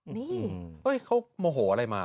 นี่เขาโมโหอะไรมา